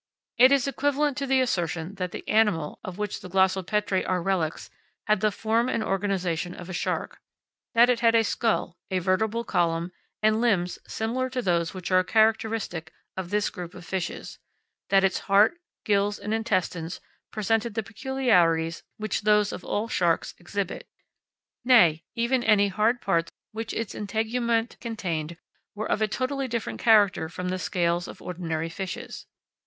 It is equivalent to the assertion that the animal of which the glossopetrae are relics had the form and organisation of a shark; that it had a skull, a vertebral column, and limbs similar to those which are characteristic of this group of fishes; that its heart, gills, and intestines presented the peculiarities which those of all sharks exhibit; nay, even that any hard parts which its integument contained were of a totally different character from the scales of ordinary fishes.